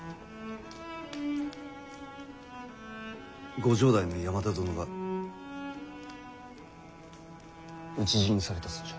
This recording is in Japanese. ご城代の山田殿が討ち死にされたそうじゃ。